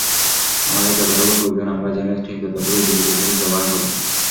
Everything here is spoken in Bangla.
আমাদের যতটুকু প্রয়োজন আমরা যেন ঠিক ততটুকুই বিদ্যুতের সঠিক ব্যবহার করি।